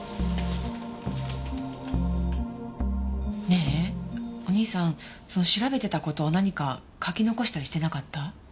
ねえお兄さんその調べてた事何か書き残したりしてなかった？